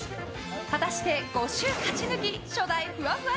果たして５週勝ち抜き初代ふわふわ